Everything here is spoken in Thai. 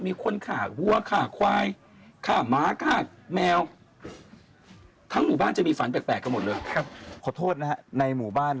มีคนขาฐวัวขาควายขาหมามขาแมว